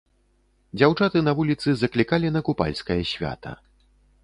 Дзяўчаты на вуліцы заклікалі на купальскае свята.